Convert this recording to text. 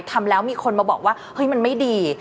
ทำแล้วมีคนมาบอกว่าเฮ้ยมันไม่ดี